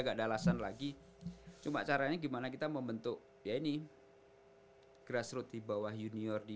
enggak ada alasan lagi cuma caranya gimana kita membentuk ya ini grassroot di bawah junior di